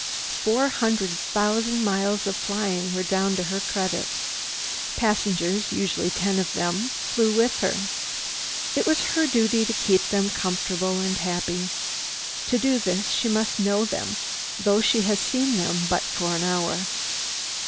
Four hundred thousand miles of flying were down to her credit. Passengers, usually ten of them, flew with her. It was her duty to keep them comfortable and happy. To do this she must know them, though she had seen them but for an hour.